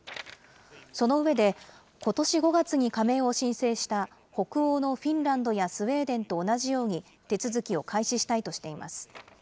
その上で、ことし５月に加盟を申請した北欧のフィンランドやスウェーデンと同じように、手続きを開始したいとしています。